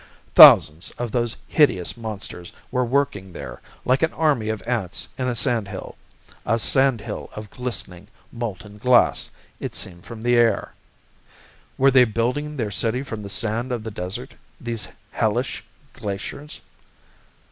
Thousands of those hideous monsters were working there like an army of ants in a sand hill a sand hill of glistening, molten glass, it seemed from the air. Were they building their city from the sand of the desert, these hellish glaciers?